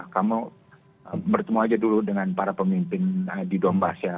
kamu bertemu aja dulu dengan para pemimpin di dombas ya